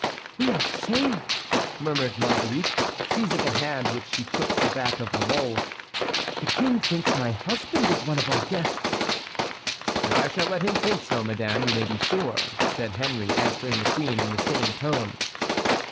"We are saved!" murmured Marguerite, seizing a hand which she took for that of La Mole. "The King thinks my husband is one of our guests." "And I shall let him think so, madame, you may be sure," said Henry, answering the queen in the same tone.